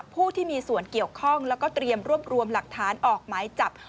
ผู้ที่มีส่วนเกี่ยวข้องแล้วก็เตรียมรวบรวมหลักฐานออกหมายจับ